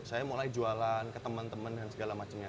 saya mulai jualan ke teman teman dan segala macemnya